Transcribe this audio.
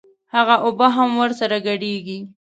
هغه اوبه هم ورسره ګډېږي.